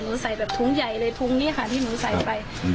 ใส่แบบถุงใหญ่เลยถุงนี้ค่ะที่หนูใส่ไป